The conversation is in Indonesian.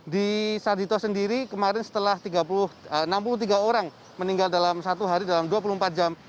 di sarjito sendiri kemarin setelah enam puluh tiga orang meninggal dalam satu hari dalam dua puluh empat jam